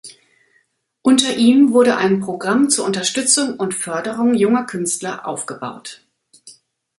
Unter ihm wurde ein Programm zur Unterstützung und Förderung junger Künstler aufgebaut.